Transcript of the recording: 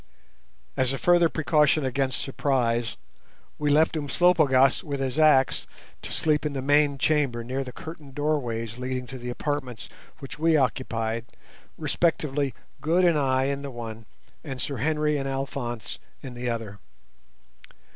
As a further precaution against surprise we left Umslopogaas with his axe to sleep in the main chamber near the curtained doorways leading to the apartments which we occupied respectively, Good and I in the one, and Sir Henry and Alphonse in the other.